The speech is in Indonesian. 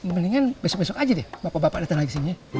mendingan besok besok aja deh bapak bapak datang lagi ke sini